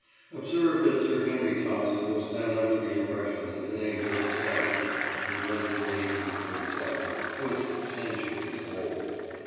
Observe that Sir Henry Thompson was then under the impression that the name "vegetarian" (invented in 1847) was "centuries" old!